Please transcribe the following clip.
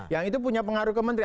yang itu punya pengaruh ke menteri